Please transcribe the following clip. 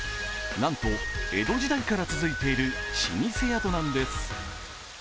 なんと江戸時代から続いている老舗宿なんです。